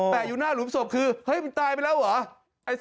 แต่อยู่หน้าหลุมศพคือเฮ้ยมันตายไปแล้วเหรอ